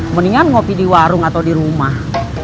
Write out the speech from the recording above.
mendingan ngopi di warung atau di rumah